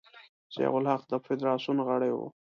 ضیا الحق د فدراسیون غړی و.